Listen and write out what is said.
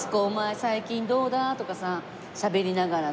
最近どうだ？」とかさしゃべりながらさ。